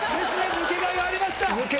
抜けがいありましたね。